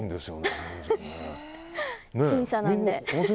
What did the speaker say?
審査なので。